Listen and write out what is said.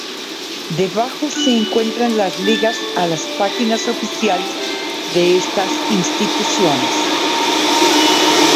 Debajo se encuentran las ligas a las páginas oficiales de estas instituciones.